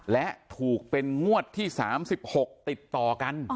และถูกเป็นงวดที่๓๖ติดต่อกัน